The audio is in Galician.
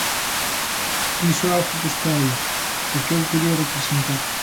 Iso é algo que está aí, e que eu quería representar.